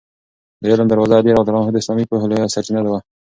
د علم دروازه علي رض د اسلامي پوهې لویه سرچینه وه.